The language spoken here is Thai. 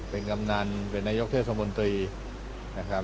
เป็นกำนันเป็นนายกเทศมนตรีนะครับ